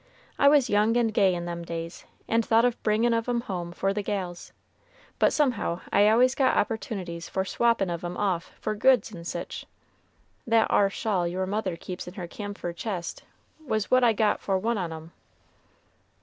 I was young and gay in them days, and thought of bringin' of 'em home for the gals, but somehow I always got opportunities for swappin' of 'em off for goods and sich. That ar shawl your mother keeps in her camfire chist was what I got for one on 'em."